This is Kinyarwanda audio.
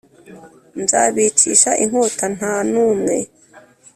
Nzabicisha inkota nta n umwe